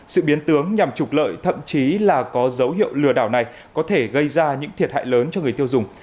sự biến tướng nhằm trục lợi thậm chí là có dấu hiệu lừa đảo này có thể gây ra những thiệt hại lớn cho người tiêu dùng